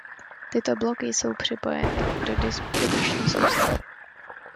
Tyto bloky jsou připojeny do distribuční soustavy.